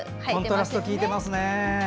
コントラストきいていますね。